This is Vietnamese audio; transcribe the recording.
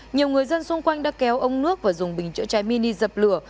nhiều người dân xung quanh đã kéo ông nước và dùng bình chữa cháy mini dập lửa